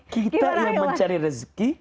kita yang mencari rezeki